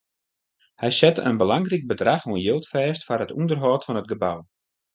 Hy sette in belangryk bedrach oan jild fêst foar it ûnderhâld fan it gebou.